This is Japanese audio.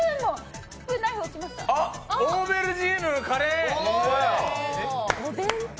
オーベルジーヌのカレー。